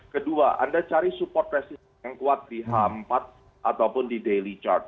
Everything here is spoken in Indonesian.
kedua anda cari support resis yang kuat di h empat ataupun di daily charge